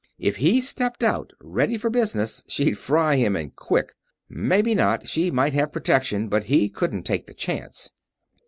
If he stepped out ready for business she'd fry him, and quick. Maybe not she might have protection but he couldn't take the chance.